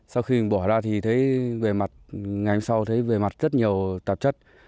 sau khi bỏ ra thì thấy về mặt ngày hôm sau thấy về mặt rất nhiều tạp chất